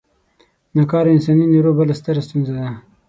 نا کاره انساني نیرو بله ستره ستونزه ده.